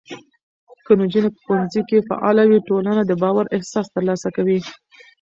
که نجونې په ښوونځي کې فعاله وي، ټولنه د باور احساس ترلاسه کوي.